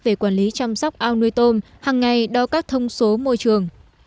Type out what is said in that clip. về quản lý chăm sóc ao nuôi tôm hằng ngày đo các thông số môi trường